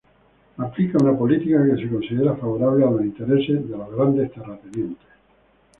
Aplica una política que se considera favorable a los intereses de los grandes terratenientes.